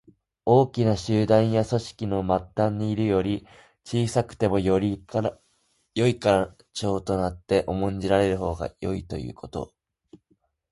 大きな集団や組織の末端にいるより、小さくてもよいから長となって重んじられるほうがよいということ。